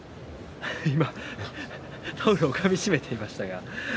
今、タオルをかみしめていましたが。